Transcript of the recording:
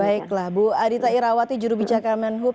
baiklah bu adita irawati juru bicara kemenhub